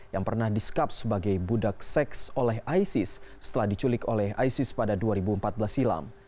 yang pernah diskap sebagai budak seks oleh isis setelah diculik oleh isis pada dua ribu empat belas silam